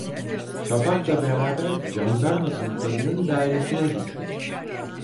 Şafakla beraber candarma kumandanının dairesine gitti…